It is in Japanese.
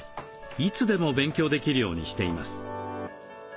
いつでも勉強できるようにしています。